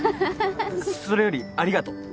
それよりありがとう。